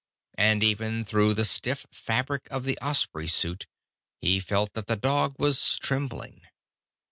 And even through the stiff fabric of the Osprey suit, he felt that the dog was trembling.